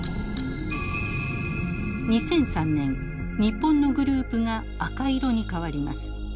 ２００３年日本のグループが赤色に変わります。